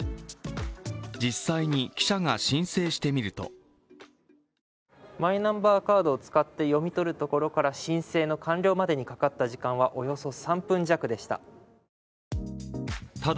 実際に記者が申請してみるとマイナンバーカードを使って読み取るところから申請の完了までにかかった時間はおよそ３分弱でした。